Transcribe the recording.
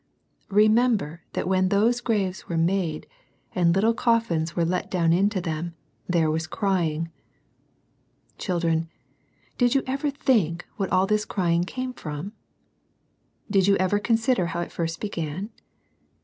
remember that when those graves were made, and little coffins were let down into them, there was " crying." Children, did you ever think what all this crying came from ? Did you ever consider how it first began?